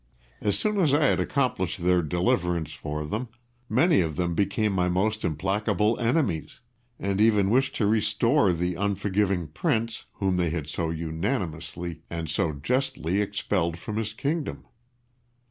As soon as I had accomplished their deliverance for them, many of them became my most implacable enemies, and even wished to restore the unforgiving prince whom they had so unanimously and so justly expelled from his kingdom.